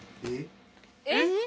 えっ？